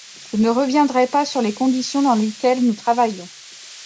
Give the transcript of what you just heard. Je ne reviendrai pas sur les conditions dans lesquelles nous travaillons.